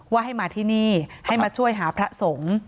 ให้มาที่นี่ให้มาช่วยหาพระสงฆ์